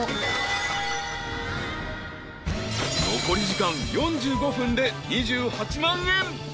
［残り時間４５分で２８万円。